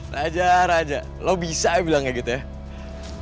raja raja lo bisa bilang kayak gitu ya